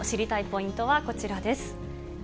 ポイントはこちらです。